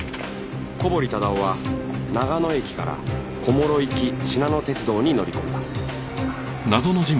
小堀忠夫は長野駅から小諸行きしなの鉄道に乗り込んだ